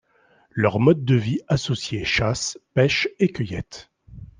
Leur mode de vie associait chasse, pêche et cueillette.